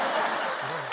すごいな。